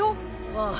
ああ。